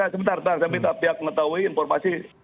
sebentar saya minta pihak mengetahui informasi